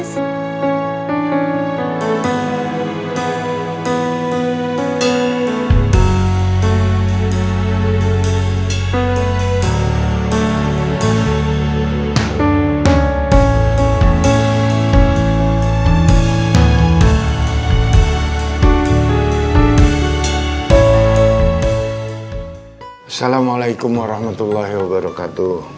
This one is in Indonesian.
assalamualaikum warahmatullahi wabarakatuh